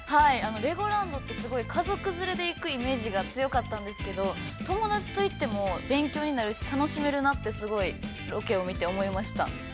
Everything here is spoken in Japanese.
◆レゴランドって、すごい家族連れで行く、イメージが強かったんですけれども、友達と行っても勉強になるし楽しめるなって、すごいロケを見て思いました。